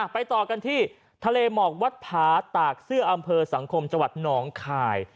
ไปต่อกันที่ทะเลหมอกวัดผาตากเสื้ออำเภอสังคมจังหวัดหนองคาย